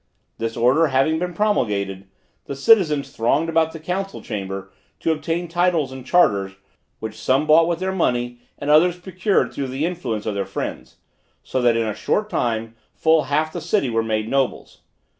This order having been promulgated, the citizens thronged about the council chamber to obtain titles and charters, which some bought with their money and others procured through the influence of their friends; so that in a short time full half the city were made nobles.